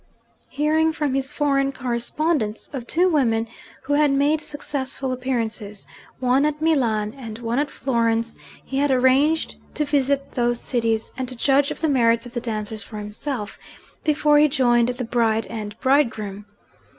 Hearing from his foreign correspondents of two women who had made successful first appearances, one at Milan and one at Florence, he had arranged to visit those cities, and to judge of the merits of the dancers for himself, before he joined the bride and bridegroom.